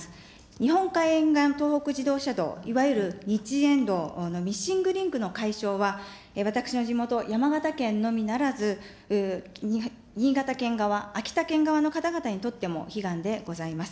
日本海沿岸東北自動車道、いわゆるにちえんどうのミッシングリンクのは、私の地元、山形県のみならず新潟県側、秋田県側の方々にとっても悲願でございます。